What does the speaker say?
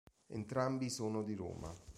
Entrambi sono di Roma.